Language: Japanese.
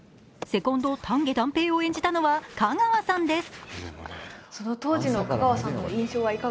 セコンド・丹下段平を演じたのは香川さんです。